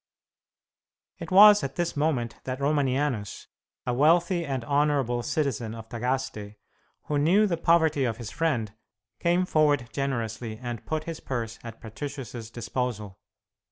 It was at this moment that Romanianus, a wealthy and honourable citizen of Tagaste, who knew the poverty of his friend, came forward generously and put his purse at Patricius's disposal.